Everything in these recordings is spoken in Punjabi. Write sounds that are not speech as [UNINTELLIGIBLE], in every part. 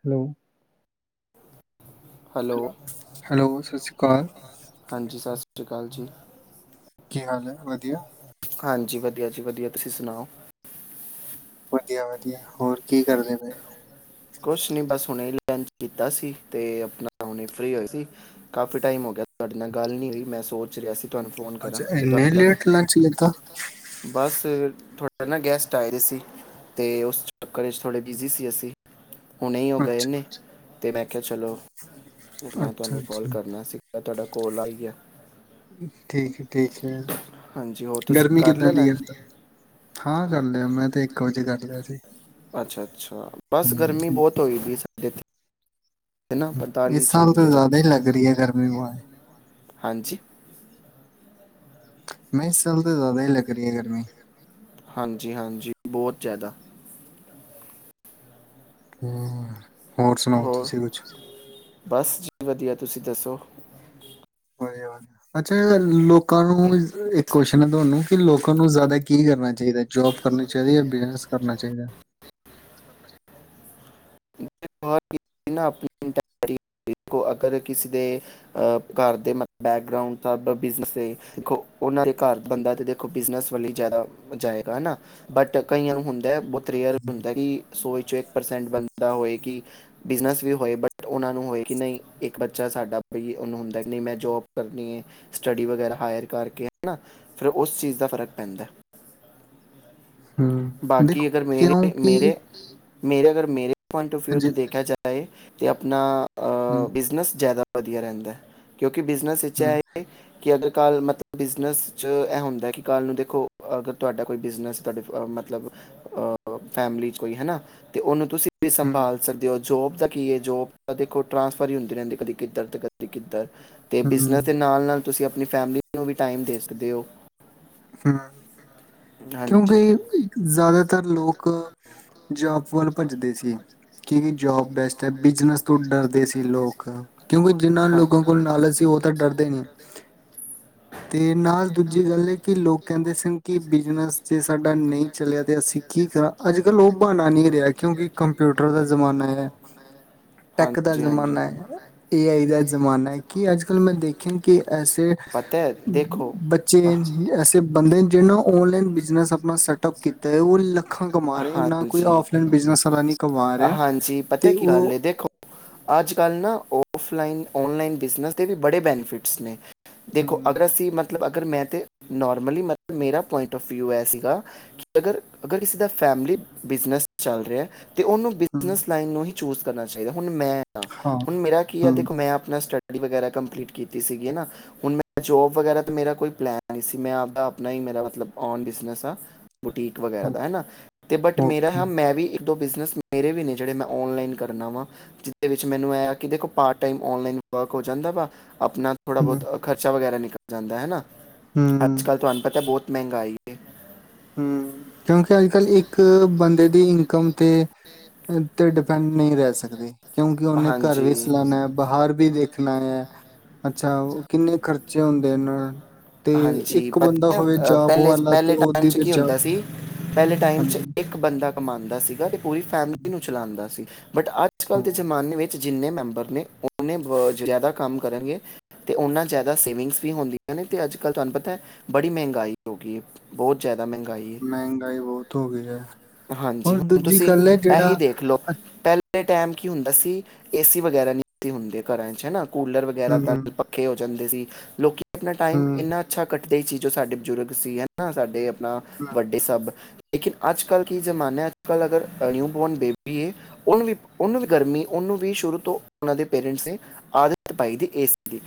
ਹੈਲੋ ਹੈਲੋ ਹੈਲੋ ਸਤਿ ਸ਼੍ਰੀ ਅਕਾਲ। ਹਾਂਜੀ ਸਤਿ ਸ਼੍ਰੀ ਅਕਾਲ ਜੀ। ਕੀ ਹਾਲ ਹੈ ਵਧੀਆ ਹਾਂਜੀ ਵਧੀਆ ਜੀ ਵਧੀਆ ਤੁਸੀਂ ਸੁਣਾਓ ਵਧੀਆ ਵਧੀਆ ਕੁਛ ਨੀ ਬਸ ਹੁਣੇ ਲੰਚ ਕੀਤਾ ਸੀ ਤੇ ਆਪਣਾ ਹੁਣੇ ਫ੍ਰੀ ਹੋਈ ਸੀ ਕਾਫੀ ਟਾਈਮ ਹੋ ਗਿਆ ਤੁਹਾਡੇ ਨਾਲ ਗੱਲ ਗੱਲ ਨਹੀਂ ਹੋਈ ਮੈਂ ਸੋਚ [UNINTELLIGIBLE] ਤੁਹਾਨੂੰ ਫੋਨ ਕਰਾਂ ਅੱਛਾ ਤੇ ਇੰਨੇ ਤੁਹਾਡਾ ਲੇਟ ਲੰਚ ਲਿੱਤਾ ਬਸ ਥੋਡੇ ਨਾ ਗੈਸਟ ਆਏ ਦੇ ਸੀ ਤੇ ਉਸ ਚੱਕਰ ਵਿੱਚ ਥੋੜੇ ਬਿਜੀ ਸੀ ਅਸੀਂ ਹੁਣੇ ਹੀ ਉਹਹ ਗਏ ਅੱਛਾ ਨੇ ਤੇ ਮੈਂ ਕਿਹਾ ਚਲੋ ਨਾ ਅੱਛਾ ਤੁਹਾਨੂੰ ਕਾਲ ਅੱਛਾ ਕਰਨਾ ਸੀਗਾ ਤੁਹਾਡਾ ਕੋਲ ਆ ਹੀ ਗਿਆ। ਠੀਕ ਹੈ ਠੀਕ ਹੈ, ਹਾਂਜੀ ਹੋਰ ਤੁਸੀਂ ਗਰਮੀ ਕਰ ਕਿੱਦਾਂ ਲਿਆ ਦੀ ਲੰਚ ਇਧਰ ਹਾਂ ਕਰ ਲਿਆ ਮੈਂ ਤੇ ਇੱਕ ਵਜੇ ਕਰ ਲਿਆ ਸੀ। ਅੱਛਾ ਅੱਛਾ ਬਸ ਗਰਮੀ ਹਮ ਬਹੁਤ [UNINTELLIGIBLE] [UNINTELLIGIBLE] ਨਾ ਇਸ ਸਾਲ ਤੋਂ ਟੈਂਪਰੇਚਰ ਜ਼ਿਆਦਾ ਹੀ ਲੱਗ ਰਹੀ ਹੈ ਗਰਮੀ ਬਏ ਹਾਂਜੀ ਮੈਂ ਇਸ ਚਾਲ ਤਾਂ ਜ਼ਿਆਦਾ ਹੀ ਲੱਗ ਰਹੀ ਹੈ ਗਰਮੀ ਹਾਂਜੀ ਹਾਂਜੀ ਬਹੁਤ ਜ਼ਿਆਦਾ ਹੂੰ। ਹੋਰ ਸੁਣਾਓ ਤੁਸੀਂ ਕੁਛ ਬਸ ਵਧੀਆ ਤੁਸੀਂ ਦੱਸੋ ਵਧਿਆ ਬਸ ਅੱਛਾ ਲ ਲੋਕਾਂ ਨੂੰ ਏ ਇੱਕ ਕੁਯਸ਼ਚਨ ਹੈ ਤੁਹਾਨੂੰ ਕਿ ਲੋਕਾਂ ਨੂੰ ਜ਼ਿਆਦਾ ਕੀ ਕਰਨਾ ਚਾਹੀਦਾ ਜੋਬ ਕਰਨੀ ਚਾਹੀਦੀ। ਜਾਂ ਬਿਜਨਸ ਕਰਨਾ ਚਾਹੀਦਾ [INAUDIBLE] ਅਗਰ ਕਿਸੇ ਦੇ ਅ ਘਰ ਦੇ ਮਤ ਬੈਕਗਉਂਡ ਬਿਜ਼ਨਸ ਏ ਬ ਉਹਨਾ ਦੇ ਘਰ ਦਾ ਬੰਦਾ ਦੇਖੋ ਬਿਜਨਸ ਵੱਲ ਹੀ ਜ਼ਿਆਦਾ ਜਾਏਗਾ ਬਟ ਕਈਆਂ ਨੂੰ ਹੁੰਦਾ ਕਲੀੲਰ ਹੁੰਦਾ ਕਿ ਸੋ ਚੋ ਇੱਕ ਪਰਸੈਂਟ ਬੰਦਾ ਹੋਏਗਾ ਕਿ ਬਿਜਨਸ ਵੀ ਹੋਏ, ਬਟ ਉਹਨਾਂ ਨੂੰ ਹੋਏ ਕਿ ਨਹੀਂ, ਇੱਕ ਬੱਚਾ ਸਾਡਾ ਉਹਨੂੰ ਹੁੰਦਾ ਨਹੀਂ ਮੈਂ ਜੋਬ ਕਰਨੀ ਹੈ, ਸਟੱਡੀ ਵਗੈਰਾ ਹਾਇਰ ਕਰਕੇ, ਹੈ ਨਾ। ਫਿਰ ਉਸ ਚੀਜ਼ ਦਾ ਫ਼ਰਕ ਪੈਂਦਾ। ਬਾਕੀ ਅਗਰ ਮੇਰੇ ਮੇਰੇ ਮੇਰੇ ਅਗਰ ਮੇਰੇ ਪੁਆਇੰਟ ਆੱਫ ਵਿਊ ਤੋਂ ਦੇਖਿਆ ਜਾਏ ਤੇ ਅਪਣਾ ਅ ਬਿਜ਼ਨਸ ਜ਼ਿਆਦਾ ਵਧੀਆ ਰਹਿੰਦਾ ਹੈ, ਕਿਉਂਕਿ ਬਿਜ਼ਨਸ ਵਿੱਚ ਏ ਹੈ ਕਿ ਅਗਰ ਕੱਲ ਮਤਲਬ ਬਿਜ਼ਨਸ ਚ ਇਹ ਹੁੰਦਾ ਹੈ ਕਿ ਕੱਲ੍ਹ ਨੂੰ ਦੇਖੋ ਅਗਰ ਤੁਹਾਡਾ ਕੋਈ ਬਿਜ਼ਨਸ ਤੁਹਾਡੇ ਮਤਲਬ ਅਹ ਫੈਮਿਲੀ ਚ ਕੋਈ ਹੈਨਾ, ਤੇ ਉਹਨੂੰ ਤੁਸੀਂ ਵੀ ਸੰਭਾਲ ਸਕਦੇ ਹੋ। ਜੋਬ ਦਾ ਕੀ ਹੈ ਜੋਬ ਤਾਂ ਦੇਖੋ ਟਰਾਂਸਫਰ ਹੀ ਹੁੰਦੀ ਰਹਿੰਦੀ ਏ ਕਦੀ ਕਿੱਧਰ ਤੇ ਕਦੀ ਕਿੱਧਰ ਤੇ ਬਿਜਨਸ ਦੇ ਨਾਲ ਨਾਲ ਤੁਸੀਂ ਆਪਣੀ ਫੈਮਿਲੀ ਨੂੰ ਵੀ ਟਾਈਮ ਦੇ ਸਕਦੇ ਹੋ ਹੂੰ ਹਾਂਜੀ ਕਿਉਂਕਿ ਜ਼ਿਆਦਾਤਰ ਲੋਕ ਲੋਕ ਜੋਬ ਵੱਲ ਭੱਜਦੇ ਆਪਾਂ ਸੀ, ਭੱਜਦੇ ਸੀ ਕਿ ਜੋਬ ਬੈਸਟ ਤੇ ਬਿਜਨਸ ਤੋਂ ਡਰਦੇ ਸੀ ਲੋਕ ਕਾ ਕਿਉਂਕਿ ਜਿਨ੍ਹਾਂ ਹਾਂ। ਲੋਕਾਂ ਕੋਲ ਨਾਲਜ ਸੀ ਉਹ ਤਾਂ ਡਰਦੇ ਨੀ ਤੇ ਨਾਲ ਦੂਜੀ ਗੱਲ ਏ ਉਹ ਕਹਿੰਦੇ ਸਨ ਕਿ ਬਿਜਨਸ ਜਿਸ ਸਾਡਾ ਨਹੀਂ ਚਲਿਆ ਤੇ ਅਸੀਂ ਕੀ ਕਹਾ, ਅੱਜ ਕੱਲ੍ਹ ਉਹ ਬਹਾਨਾ ਨਹੀਂ ਰਿਹਾ ਕਿਉਂਕਿ ਕੰਪਿਊਟਰ ਦਾ ਜ਼ਮਾਨਾ ਏ, ਟੈਕ ਦਾ ਹਾਂਜੀ ਹਾਂਜੀ ਜ਼ਮਾਨਾ ਏ ਆਈ ਦਾ ਜ਼ਮਾਨਾ ਹੈ, ਕੀ ਅੱਜ ਕੱਲ੍ਹ ਮੈਂ ਦੇਖਿਆ ਕਿ ਐਸੇ ਪਤਾ ਹੈ ਦੇਖੋ ਬੱਚੇ ਅਹ, ਐਸੇ ਬੰਦੇ ਨੇ ਜਿਹਨੂੰ ਔਨਲਾਈਨ ਬਿਜ ਮੈਂ ਅਪਨਾ ਸੈਟ ਅਪ ਕੀਤਾ ੳਹ ਹਾਂਜੀ ਵਾਲਾ ਨਹੀਂ ਕਮਾ ਰਿਹਾ ਹਾਂਜੀ ਪਤਾ ਤੇ ਕੀ ਗੱਲ ਉਹ ਏ, ਦੇਖੋ ਅੱਜ ਕੱਲ ਨਾ ਉਹ ਔਫਲਾਈਨ, ਔਨਲਾਈਨ ਬਿਜ਼ਨਸ ਦੇ ਵੀ ਬੜੇ ਬੈਨੇਫਿਟਸ ਨੇ ਦੇਖੋ ਹਮ ਅਗਰ ਅਸੀਂ ਮਤਲਬ ਅ ਮੈਂ ਤੇ ਨੋਰਮਲੀ ਮਤਲਬ ਮੇਰਾ ਪੁਆਇੰਟ ਆੱਫ ਵਿਊ ਸੀ ਗਾ ਕਿ ਅਗਰ ਅਗਰ ਇਸ ਫੈਮਿਲੀ ਬਿਜਨਸ ਚੱਲ ਰਿਹਾ ਤੇ ਉਹਨੂੰ ਹਮ ਬਿਜਨਸ ਲਾਈਨ ਨੂੰ ਹੀ ਚੂਜ਼ ਕਰਨਾ ਚਾਹੀਦਾ ਹੁਣ ਮੈਂ ਹਾਂ ਹੁਣ ਮੇਰਾ ਕੀ ਆ ਹਮ ਦੇਖੋ ਮੈਂ ਆਪਣਾ ਸਟੱਡ ਟੱਡੀ ਵਗੈਰਾ ਕੰਪਲੀਟ ਕੀਤੀ ਸੀਗੀ ਨਾ ਹੁਣ ਮੈ ਜੋਬ ਵਗੈਰਾ ਮੇਰਾ ਕੋਈ ਪਲੈਨ ਨਹੀਂ ਸੀ ਮੈਂ ਆਪਦਾ ਆਪਣਾ ਹੀ ਮੇਰਾ ਮਤਲਬ ਔਨ ਬਿਜਨਸ ਆ ਬੁਟੀਕ ਵਗੈਰਾ ਓ- ਦਾ ਹੈ ਨਾ ਤੇ ਬਟ ਮੇਰਾ ਹ ਓਕੇ ਮੈਂ ਵੀ ਦੋ ਬਿਜ਼ਨਸ ਮੇਰੇ ਵੀ ਨੇ ਜਿਹੜੇ ਮੈਂ ਔਨਲਾਈਨ ਕਰਨਾ ਵਾ ਜਿਹਦੇ ਵਿੱਚ ਮੈਨੂੰ ਇਹ ਕਿ ਦੇਖੋ ਪਾਰਟ ਟਾਈਮ ਔਨਲਾਈਨ ਵਰਕ ਹੋ ਜਾਂਦਾ ਵਾ। ਆਪਣਾ ਥੋੜਾ ਬਹੁਤ ਹਮ ਖਰਚਾ ਵਗੈਰਾ ਨਿਕ ਜਾਂਦਾ ਹੈਨਾ। ਅੱਜ ਹਮ ਕੱਲ੍ਹ ਤੁਹਾਨੂੰ ਪਤਾ ਬਹੁਤ ਮਹਿੰਗਾਈ ਹੈ ਹਮ। ਕਿਉਂਕਿ ਅੱਜ ਕੱਲ ਇੱਕ ਬੰਦੇ ਦੀ ਇਨਕਮ ਤੇ ਤੇ ਡਿਪੈਂਡ ਨਹੀਂ ਰਹਿ ਸਕਦੇ ਕਿਉਂਕਿ ਉਹਨੇ ਘਰ ਵੀ ਹਾਂਜੀ ਸਲਾਣਾ ਹੈ ਬਾਹਰ ਵੀ ਦੇਖਣਾ ਹੈ ਅੱਛਾ ਓ ਕਿੰਨੇ ਖਰਚੇ ਹੁੰਦੇ ਨੇ। ਤੇ ਹਾਂਜੀ ਇੱਕ ਪਤਾ ਬੰਦਾ ਹੈ, ਹੋਵੇ ਅ, ਜਾਬ ਪਹਿਲੇ ਵਾਲਾ ਤੇ ਪਹਿਲੇ ਟਾਈਮ ਉਹਦੀ 'ਚ ਤੇ ਕੀ ਜੌਬ ਹੁੰਦਾ ਸੀ ਪਹਿਲੇ ਟਾਈਮ ਚ ਹਾਂਜੀ ਇੱਕ ਬੰਦਾ ਕਮਾਉਂਦਾ ਸੀਗਾ ਤੇ ਪੂਰੀ ਫੈਮਲੀ ਨੂੰ ਚਲਾਉਂਦਾ ਦਾ ਸੀ। ਬਟ ਅੱਜ ਕੱਲ੍ਹ ਹੂੰ ਦੇ ਜ਼ਮਾਨੇ ਵਿੱਚ ਜਿੰਨੇ ਮੈਂਬਰ ਨੇ ਉਹਨੇ ਜ਼ਿਆਦਾ ਕੰਮ ਕਰਨਗੇ ਅਤੇ ਉਹਨਾਂ ਜ਼ਿਆਦਾ ਸੇਵਿੰਗਸ ਵੀ ਹੁੰਦੀਆਂ ਨੇ। ਤੇ ਅੱਜ ਕੱਲ੍ਹ ਤੁਹਾਨੂੰ ਪਤਾ ਹੈ ਬੜੀ ਮਹਿੰਗਾਈ ਹੋ ਗਈ ਏ ਬਹੁਤ ਜ਼ਿਆਦਾ। ਮਹਿੰਗਾਈ ਹੈ ਮਹਿੰਗਾਈ ਬਹੁਤ ਹੋ ਗਈ ਹੈ। ਹਾਂਜੀ ਔਰ ਹੁਣ ਦੂਜੀ ਤੁਸੀਂ ਗੱਲ ਹੈ ਇਹੀ ਜਿਹੜਾ ਦੇਖ ਲਓ ਪਹਿਲ ਪਹਿਲੇ ਟਾਈਮ ਕੀ ਹੁੰਦਾ ਸੀ ਏਸੀ ਵਗੈਰਾ ਨਹੀਂ ਸੀ ਹੁੰਦੇ ਘਰਾਂ ਚ ਹੈਨਾ। ਕੂਲਰ ਵਗੈਰਾ ਹੂੰ ਤਾਂ ਪੱਖੇ ਜਾਂਦੇ ਸੀ ਲੋਕੀ ਅਪਣਾ ਟਾਈਮ ਹੂੰ ਏਨਾ ਅੱਛਾ ਕਟ ਹੀ ਸੀ ਜੋ ਸਾਡੇ ਬਜ਼ੁਰਗ ਸੀ ਹੈਨਾ ਸਾਡੇ ਨਾ ਵੱਡੇ ਸਭ ਲੇਕਿਨ ਅਜ ਕੱਲ੍ਹ ਕੀ ਜਮਾਨਾ ਅਜ ਕੱਲ ਅਗਰ ਐ ਨਿਊ ਬੋਰਨ ਬੇਬੀ ਏ ਉਨੂੰ ਵੀ ਉੁਨੂੰ ਵੀ ਗਰਮੀ ਉਹਨੂੰ ਵੀ ਸ਼ੁਰੂ ਤੋਂ ਉਹਨਾਂ ਦੇ ਪੇਰੈਂਟਸ ਨੇ ਆਦਤ ਪਾਈ ਦੀ ਐਸੀ ਦੀ।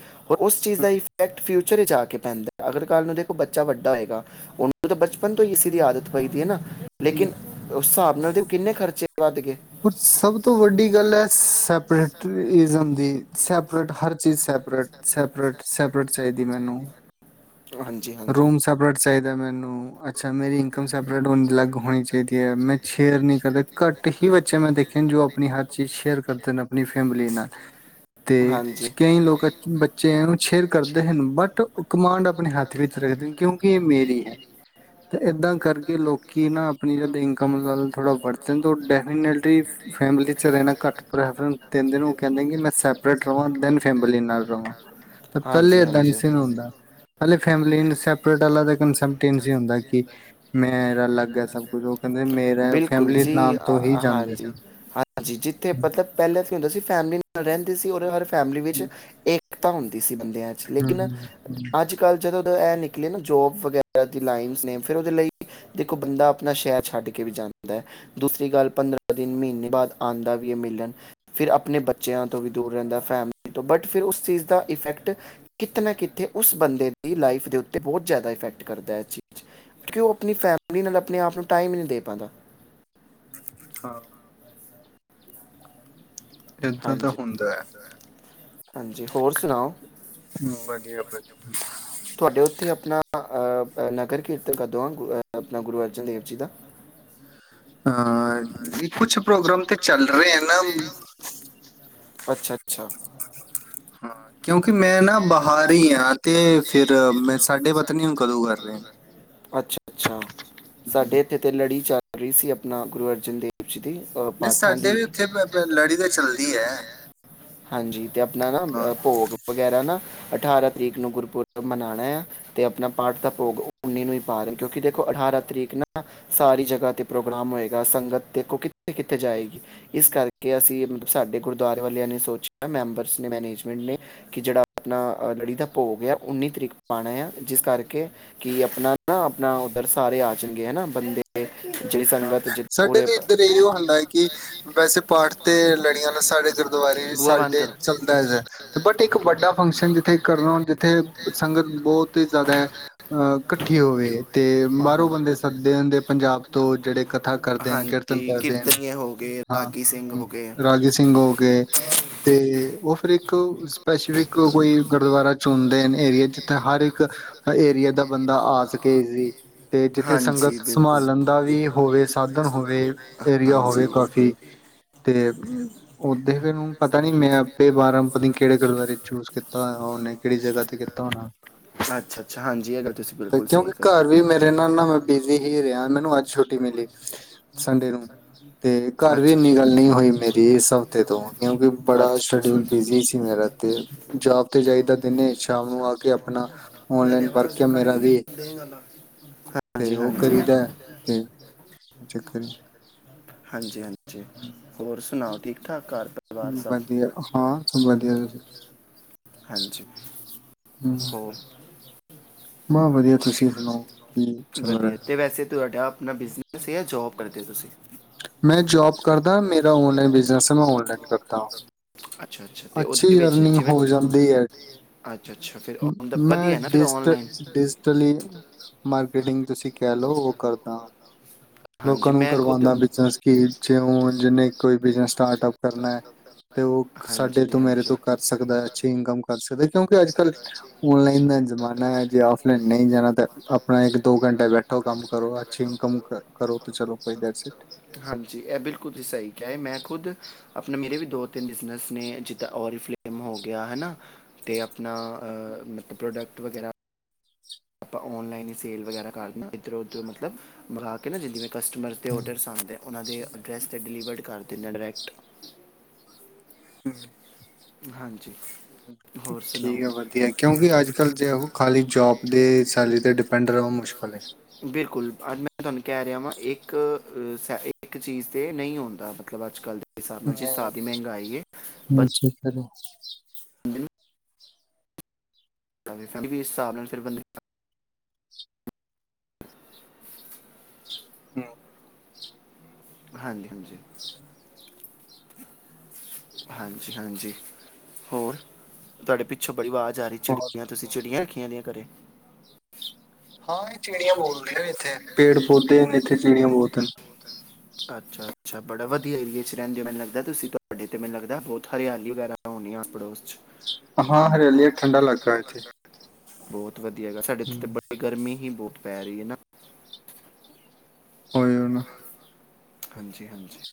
ਉਸ ਚੀਜ਼ ਦਾ ਹੂੰ ਇਫੈਕਟ ਫਿਊਚ ਜਾ ਕੇ ਪੈਂਦਾ ਅਗਰ ਕੱਲ ਨੂੰ ਦੇਖੋ ਬੱਚਾ ਵੱਡਾ ਹੋਏਗਾ ਉਹਨੂੰ ਤਾਂ ਬਚਪਨ ਤੋਂ ਹੀ ਐਸੀ ਦੀ ਆਦਤ ਪਈ ਦੀ ਹੈ ਨਾ। ਲੇਕਿਨ ਉਸ ਹਿਸਾਬ ਨਾਲ ਕਿੰਨੇ ਖਰਚੇ ਵੱਧ ਗਏ। ਹੁਣ ਸਭ ਤੋਂ ਵੱਡੀ ਗੱਲ ਹੈ। ਸਪਰੇਟਜ਼ਮ ਦੀ ਸੈਪਰੇਟ ਹਰ ਚੀਜ਼ ਸੈਪਰੇਟ ਸੈਪਰੇਟ ਸਪਰੇ ਚਾਹੀਦੀ ਮੈਨੂੰ। ਹਾਂਜੀ ਹਾਂਜੀ। ਰੂਮ ਸੈਪਰੇਟ ਚਾਹੀਦਾ ਮੈਨੂੰ। ਅੱਛਾ ਮੇਰੀ ਇਨਕਮ ਸੈਪਰੇਟ ਅਲਗ ਹੋਣੀ ਚਾਹੀਦੀ ਹੈ। ਮੈਂ ਸ਼ੇਅਰ ਨੂੰ ਕਰਨੀ ਘੱਟ ਹੀ ਬੱਚੇ ਮੈਂ ਦੇਖੇ ਜੋ ਆਪਣੀ ਹਰ ਚੀਜ਼ ਸ਼ੇਅਰ ਕਰਦੇ ਆਪਣੀ ਫੈਮਲੀ ਨਾਲ ਤੇ ਹਾਂਜੀ ਕਈ ਲੋਕ ਬੱਚੇ ਸ਼ੇਅਰ ਕਰਦੇ ਬਟ ਕਮਾਂਡ ਆਪਣੇ ਹੱਥ ਰੱਖਦੇ ਕਿਉਂਕਿ ਇਹ ਮੇਰੀ ਹੈ। ਤੇ ਏਦਾਂ ਕਰਕੇ ਲੋਕੀ ਨਾ ਆਪਣੀ ਜਦ ਇਨਕਮ ਨਾਲ [UNINTELLIGIBLE] ਥੋੜ੍ਹਾ ਉਹ ਡੈਫੀਨੇਟਲੀ ਫੈਮਿਲੀ 'ਚ ਰਹਿਣਾ ਘੱਟ ਪ੍ਰੈਫਰੈਂਸ ਦਿੰਦੇ ਨੇ ਉਹ ਕਹਿੰਦੇ ਨੇ ਕਿ ਮੈਂ ਸੈਪਰੇਟ ਹਵਾਂ ਦੈਨ ਫੈਮਿਲੀ ਨਾਲ ਰਹਾਂ। ਹਾਂਜੀ ਹਾਂਜੀ [UNINTELLIGIBLE] ਫੈਮਿਲੀ ਨੂੰ ਸੈਪਰੇਟ ਵਾਲਾ ਕਨਸੈਪਟ ਇੰਝ ਹੀ ਹੁੰਦਾ। ਕਿ ਮੈਂ ਬਿਲਕੁਲ ਜੀ ਨਾਮ ਤੋਂ ਹੀ ਜਾਂਦੇ ਹਾਂਜੀ, ਸਨ ਹਾਂਜੀ, ਜਿਥੇ ਮਤਲਬ ਪਹਿਲਾਂ ਹੁੰਦਾ ਸੀ ਫੈਮਲੀ ਨਾਲ ਰਹਿੰਦੇ ਸੀ [UNINTELLIGIBLE] ਫੈਮਿਲੀ ਵਿੱਚ ਹਮ, ਇੱਕ ਤਾ ਹੁੰਦੀ ਸੀ ਬੰਦੇ ਲੇਕਿਨ ਹਮ, ਹਮ, ਅੱਜ ਕੱਲ੍ਹ ਜਦੋਂ ਇਹ ਨਿਕਲੇ ਨਾ ਜੋਬ ਵਗੈਰਾ ਦੀ ਲਾਈਨ ਨੇ ਫਿਰ ਉਹਦੇ ਲਈ। ਦੇਖੋ ਬੰਦਾ ਆਪਣਾ ਸ਼ਹਿਰ ਛੱਡ ਕੇ ਵੀ ਜਾਂਦਾ, ਦੂਸਰੀ ਗੱਲ ਪੰਦਰਾਂ ਦਿਨ ਮਹੀਨੇ ਬਾਅਦ ਆਉਂਦਾ ਵੀ ਹੈ ਮਿਲਣ, ਫਿਰ ਆਪਣੇ ਬੱਚਿਆਂ ਤੋਂ ਵੀ ਦੂਰ ਰਹਿੰਦਾ ਫੈਮਲੀ ਤੋਂ ਬਟ ਫਿਰ ਉਸ ਚੀਜ਼ ਦਾ ਇਫੈਕਟ ਕਿਤੇ ਨਾ ਕਿਤੇ ਉਸ ਬੰਦੇ ਦੀ ਲਾਈਫ ਦੇ ਉੱਤੇ ਬਹੁਤ ਜ਼ਿਆਦਾ ਇਫੈਕਟ ਕਰਦਾ ਇਸ ਚੀਜ਼ ਕਿ ਉਹ ਆਪਣੀ ਫੈਮ ਆਪਣੇ ਆਪ ਨੂੰ ਟਾਈਮ ਹੀ ਨਹੀਂ ਦੇ ਪਾਉਂਦਾ। ਹਾਂ। ਏਦਾਂ ਦਾ ਹਾਂਜੀ ਹੁੰਦਾ ਹੈ। ਹਾਂਜੀ, ਹੋਰ ਸੁਣਾਓ। ਹੂੰ, ਵਧੀਆ-ਵਧੀਆ। ਤੁਹਾਡੇ ਉੱਥੇ ਆਪਣਾ ਨਗਰ ਕੀਰਤਨ ਕਦੋਂ ਹਾਂ ਆਪਣਾ ਗੁਰੂ ਅਰਜਨ ਦੇਵ ਜੀ ਦਾ। ਅ ਕੁਛ ਪ੍ਰੋਗਰਾਮ ਤੇ ਚੱਲ ਰਹੇ ਆ ਨਾ। ਅੱਛਾ-ਅੱਛਾ। ਹਾਂ ਕਿਉਂਕਿ ਮੈਂ ਨਾ ਬਾਹਰ ਹੀ ਆ ਤੇ ਫਿਰ ਮੈਂ ਸਾਡੇ ਪਤਾ ਨੀ ਨੂੰ ਕਦੋਂ ਕਰ ਰਹੇ। ਅੱਛਾ ਰੀਸੀ ਸੇ ਆਪਣਾ ਗੁਰੂ ਅਰਜਨ ਦੇਵ ਜੀ ਦੀ ਅ, ਨਹੀਂ ਪਾਠਾਂ ਸਾਡੇ ਦੀ ਵੀ ਉੱਥੇ ਲੜੀ ਤੇ ਚੱਲਦੀ ਦੀ ਐ। ਹਾਂਜੀ ਤੇ ਆਪਣਾ ਨਾ ਭੋਗ ਵਗੈਰਾ ਨਾ। ਅਠਾਰਾਂ ਤਰੀਕ ਨੂੰ ਗੁਰਪੁਰਬ ਮਨਾਉਣਾ ਆ ਅਤੇ ਆਪਣਾ ਪਾਠ ਦਾ ਭੋਗ ਉੱਨੀ ਨੂੰ ਹੀ ਪਾ ਰਹੇ ਕਿਉਂਕਿ ਦੇਖੋ ਅਠਾਰਾਂ ਤਰੀਕ ਨਾ ਸਾਰੀ ਜਗ੍ਹਾ 'ਤੇ ਪ੍ਰੋਗਰਾਮ ਹੋਏਗਾ ਸੰਗਤ ਦੇਖੋ ਕਿੱਥੇ ਕਿੱਥੇ ਜਾਏਗੀ ਇਸ ਕਰਕੇ ਅਸੀਂ ਸਾਡੇ ਗੁਰਦੁਆਰੇ ਵਾਲਿਆਂ ਨੇ ਸੋਚ ਸੋਚਿਆ ਮੈਂਬਰਸ ਨੇ ਮੈਨੇਜਮੈਂਟ ਨੇ ਕਿ ਜਿਹੜਾ ਆਪਣਾ ਲੜੀ ਦਾ ਭੋਗ ਆ ਉੱਨੀ ਤਰੀਕ ਪਾਉਣਾ ਆ ਜਿਸ ਕਰਕੇ ਕਿ ਆਪਣਾ ਨਾ ਆਪਣਾ ਉੱਧਰ ਸਾਰੇ ਆ ਜਾਣਗੇ ਹਨਾ ਬੰਦੇ। ਜਿਹੜੀ ਹਾਂ ਸੰਗਤ ਜਿ- ਸਾਡੇ ਉਰੇ ਵੀ ਪ- ਇੱਧਰ ਇਹੋ ਹੁੰਦਾ ਹੈ ਕਿ ਵੈਸੇ ਪਾਠ ਤੇ ਲੜੀਆਂ ਨਾ ਸਾਡੇ ਗੁਰਦੁਆਰੇ। ਬੂਆ ਬੰਦ ਸਾਡੇ ਕਰੋ ਚਲਦਾ ਇੱਧਰ ਬਟ ਇੱਕ ਵੱਡਾ ਫੰਕਸ਼ਨ ਜਿੱਥੇ ਕਰਨਾ ਜਿੱਥੇ। ਸੰਗਤ ਬਹੁਤ ਹੀ ਜ਼ਿਆਦਾ ਹੈ। ਐ ਇਕੱਠੀ ਹੋਵੇ ਤੇ ਹਾਂ, ਹਾਂ। ਬਾਹਰੋਂ ਬੰਦੇ ਸੱਦੇ ਹੁੰਦੇ ਪੰਜਾਬ। ਤੋਂ ਜਿਹੜੇ ਕਥਾ ਕਰਦੇ ਨੇ ਕੀਰਤਨ ਹਾਂਜੀ ਕਰਦੇ ਨੇ ਕੀਰਤਨੀਏ ਹੋ ਗਏ ਹਾਂ ਰਾਗੀ ਸਿੰਘ ਹੋ ਗਏ ਰਾਜੇ ਸਿੰਘ ਹੋ ਗਏ ਤੇ। ਉਹ ਫਿਰ ਇੱਕ ਸਪੈਸਫਿਕ ਕੋਈ ਗੁਰਦੁਆਰਾ ਚੁਣਦੇ ਏਰੀਏ ਜਿੱਥੇ ਹਰ ਇੱਕ ਏਰੀਏ ਦਾ ਬੰਦਾ ਆ ਸਕੇ ਜੀ। ਤੇ ਜਿੱਥੇ ਸੰਗਤ ਹਾਂਜੀ ਬਿਲਕੁਲ ਸੰਭਾਲਣ। ਦਾ ਵੀ ਹੋਵੇ ਸਾਧਨ ਹੋਵੇ ਏਰੀਆ ਹਾਂਜੀ ਹੋਵੇ ਕਾਫੀ, ਤੇ ਓਦੇ ਫੇਰ ਪਤਾ ਨੀ ਮੈਂ ਆਪੇ ਬਾਰਾਂ। ਪਤਾ ਨੀ ਕਿਹੜੇ ਗੁਰਦੁਆਰੇ ਚੂਜ ਕੀਤਾ ਹੋਇਆ ਉਹਨੇ ਕਿਹੜੀ ਜਗ੍ਹਾ ਤੇ ਕੀਤਾ ਹੋਣਾ ਅੱਛਾ ਅੱਛਾ ਹਾਂਜੀ ਇਹ ਗੱਲ ਤੁਸੀਂ ਤੇ ਬਿਲਕੁਲ ਸਹੀ ਕਿਉਂਕਿ ਕਹੀ ਘਰ ਵੀ ਮੇਰੇ ਨਾ। [UNINTELLIGIBLE] ਪਹਿਲਾਂ ਮੈਂ ਬਿਜ਼ੀ ਹੀ ਰਿਹਾ ਮੈਨੂੰ ਅੱ [UNINTELLIGIBLE] ਛੁੱਟੀ ਮਿਲੀ ਸੰਡੇ ਨੂੰ। ਤੇ ਘਰ ਵੀ ਅੱਛਾ ਇੰਨੀ ਗੱਲ ਨਹੀਂ ਹੋਈ ਮੇਰੀ ਇਸ ਹਫ਼ਤੇ ਤੋਂ ਕਿਉਂਕਿ ਅੱਛਾ ਬੜਾ ਅੱਛਾ ਸ਼ਡਿਊਲ ਅੱਛਾ ਬਿਜ਼ੀ ਸੀ ਮੇਰਾ ਤੇ ਜੋਬ ਤੇ ਜਾਈਦਾ ਦਿਨੇ ਸ਼ਾਮ ਨੂੰ ਆ ਕੇ ਆਪਣਾ ਮੈਂ ਤੇ ਔਨਲਾਈਨ ਵਰਕ ਚਾਰਜਰ ਆ ਕੱਢ ਮੇਰਾ ਕੇ ਵੀ। ਦੇ ਗੱਲਾਂ ਤੇ ਹਾਂਜੀ ਉਹ ਹਾਂਜੀ ਕਰੀਦਾ ਤੇ। ਫਿਰ। [UNINTELLIGIBLE] ਹਾਂਜੀ ਹਾਂਜੀ ਹੋਰ ਸੁਣਾਓ ਠੀਕ। ਘਰ ਠਾਕ ਪਰਿਵਾਰ ਹਮ, ਸਭ ਵਧੀਆ ਹਾਂ ਸਭ ਜੀ ਵਧੀਆ ਤੁਸੀਂ ਹਾਂਜੀ ਹਮ ਹੋਰ। ਮੈਂ ਵਧੀਆ ਤੁਸੀਂ ਸੁਣਾਓ ਕੀ ਚੱਲ ਵਧੀਆ ਰਿਹਾ ਤੇ ਵੈਸੇ ਤੁਹਾਡਾ ਆਪਣਾ ਬਿਜਨਸ ਹੈ। [UNINTELLIGIBLE] ਜੋਬ ਕਰਦੇ ਤੁਸੀਂ। ਮੈਂ ਜੋਬ ਕਰਦਾ ਮੇਰਾ ਔਨਲਾਈਨ ਬਿਜਨਸ ਹੈ ਮੈਂ ਔਨਲਾਈਨ ਕਰਦਾ ਅੱਛਾ ਅੱਛਾ ਤੇ ਉਹਦੇ ਅੱਛੀ ਵਿੱਚ ਅਰਨਿੰਗ ਜਿਵੇਂ ਹੋ ਜਾਂਦੀ ਹੈ ਅੱਛਾ ਅੱਛਾ ਫਿਰ ਮੈਂ ਵਧੀਆ ਨਾ ਫਿਰ ਡਿਜ਼ ਆਨਲਾਈਨ ਡੀਜ਼। ਡਿਜਟਲੀ ਮਾਰਕੀਟਿੰਗ ਤੁਸੀਂ। ਕਹਿ ਲੋ ਉਹ ਕਰਦਾ। ਹਾਂਜੀ ਲੋਕਾਂ ਨੂੰ ਮੈਂ ਖੁਦ ਕਰਵਾਉਂਦਾ ਵੀ ਕੀ ਜਿਉਂਣ। ਜਿੰਨੇ ਕੋਈ ਬਿਜਨਸ ਸਟਾਰਟਪ ਕਰਨਾ ਐ ਤੇ ਉਹ ਸਾਡੇ ਹਾਂਜੀ ਤੋਂ ਮੇਰੇ ਹਾਂਜੀ ਤੋਂ ਕਰ ਸਕਦਾ ਅੱਛੀ ਇਨਕਮ ਕਰ ਸਕਦੇ। ਕਿਉਂਕਿ ਅੱਜ ਕੱਲ ਔਨਲਾਈਨ ਦਾ ਹੈ। ਜ਼ਮਾਨਾ ਹੈ ਜੇ ਆਫਲਾਈਨ ਨਹੀਂ ਜਾਣਾ ਤਾਂ ਆਪਣਾ ਇੱਕ ਦੋ ਯਾਰ ਘੰਟੇ ਬੈਠੋ ਕੰਮ ਕਰੋ ਅੱਛੀ ਇਨਕਮ ਕਰੋ ਤੇ ਚਲੋ ਕਰੋ ਤੇ ਦੈਸਟ ਇੱਟ। ਵਧੀਆ ਹਾਂਜੀ, ਐਹ ਬਿਲਕੁਲ ਤੁਸੀ ਸਹੀ ਕਿਹਾਏ, ਮੈਂ ਖੁਦ ਆਪਣਾ, ਮੇਰੇ ਵੀ ਦੋ-ਤਿੰਨ ਬਿਜਨਸ ਨੇ। ਜਿੱਦਾਂ ਔਰੀਫਲੈਮ ਹੋ ਗਿਆ ਹੈਨਾ? ਤੇ ਆਪਣਾ ਅ ਮ ਪ੍ਰੋਡਕਟ ਵਗੈਰਾ ਆਪਾਂ ਔਨਲਾਈਨ ਹੀ ਸੇਲ ਵਗੈਰਾ ਕਰਦੇ। [UNINTELLIGIBLE] ਇੱਧਰੋਂ-ਉਧਰੋਂ ਮਤਲਬ ਮੰਗਾ ਕੇ, ਨਾ ਜਿੰਨੀ ਕਸਟਮਰਸ ਦੇ ਹਮ, ਔਡਰਸ ਆਂਦੇ ਅ ਉਹਨਾਂ ਦੇ ਅਡਰੈਸ 'ਤੇ ਡਿਲੀਵਰਡ ਕਰ ਦੇਂਦੇ ਆ, ਡਾਇਰੈਕਟ [UNINTELLIGIBLE] ਹਾਂ ਠੀਕ ਹੈ, ਵਧੀਆ। ਕਿਉਂਕਿ ਅੱਜ ਕਲ ਜ ਖਾਲੀ ਜੋਬ ਦੇ ਸੈਲਰੀ ਤੇ ਡਿਪੈਂਡ ਰਹੋ, ਮੁਸ਼ਕਿਲ ਹੈ। ਬਿਲਕੁਲ ਅੱਜ ਮੈਂ ਤੁਹਾਨੂੰ ਕਹਿ ਰਿਹਾ ਵਾਂ, ਇੱਕ-ਇੱਕ ਚੀਜ਼ ਤੇ ਨਹੀਂ ਹੁੰਦਾ, ਮਤਲਬ ਅੱਜ-ਕੱਲ ਹਿਸਾਬ ਨਾਲ, ਜਿਸ ਸਾਬ ਦੀ ਮਹਿੰਗਾਈ ਹੈ, ਬਣ ਹੈਲੋ ਫ ਵੀ [UNINTELLIGIBLE] ਇਸ ਹਿਸਾਬ ਨਾਲ, ਫਿਰ ਬੰ ਹਮ ਹਾਂਜੀ, ਹਾਂਜੀ ਹਾਂਜੀ, ਹਾਂਜੀ। ਹੋਰ ਤੁਹਾਡੇ ਪਿੱਛੋਂ? ਬੜੀ ਆਵਾਜ਼ ਆ ਰਹੀ ਹੋਰ ਚਿੜੀਆਂ, ਤੁਸੀਂ ਚਿੜੀਆਂ ਰੱਖੀਏ? ਖਿਆ ਦੀਆਂ, ਘਰੇ ਹਾਂ, ਇਹ ਚਿੜੀਆਂ ਬਹੁਤ ਨੇ। ਇੱਥੇ ਪੇੜ-ਪੌਦੇੇ ਨੇ, ਇੱਥੇ ਚਿੜੀਆਂ ਬਹੁਤ ਨੇ ਅੱਛਾ, ਅੱਛਾ। ਬੜਾ ਵਧੀਆ ਏਰੀਏ ਚ ਰਹਿੰਦੇ ਹੋ। ਮੈਨੂੰ ਲੱਗਦਾ, ਤੁਸੀਂ ਤੁਹਾਡੇ ਤੇ ਮੈਨੂੰ ਲੱਗਦਾ ਬਹੁਤ ਹਿਆਲੀ ਵਗੈਰਾ ਹੋਣੀ ਏ ਆਸ-ਪੜੋਸ ਚ। ਹਾਂ, ਹਰਿਆਲੀ ਏ, ਠੰਡਾ ਲਗਦਾ ਏਥੇ ਬਹੁਤ ਵਧੀਆ ਹੈਗਾ। ਸਾਡੇ ਐਥੇ ਤੇ ਬੜੀ ਗਰਮੀ ਹੀ ਬਹੁਤ ਪੈ ਰੀ ਏ ਨਾ ਓਹੀਓ ਨਾ ਹਾਂਜੀ, ਹਾਂਜੀ